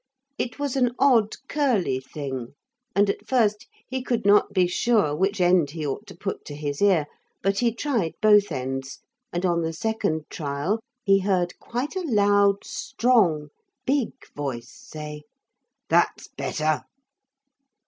It was an odd curly thing, and at first he could not be sure which end he ought to put to his ear. But he tried both ends, and on the second trial he heard quite a loud, strong, big voice say: 'That's better.'